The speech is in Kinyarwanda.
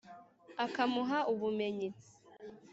akamuha ubumenyi,